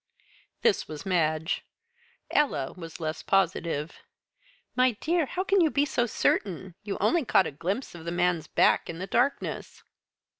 This was Madge; Ella was less positive. "My dear, how can you be so certain? You only caught a glimpse of the man's back in the darkness."